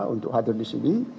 untuk hadir di sini